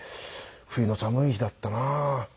冬の寒い日だったな。